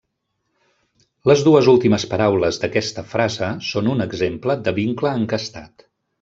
Les dues últimes paraules d'aquesta frase són un exemple de vincle encastat.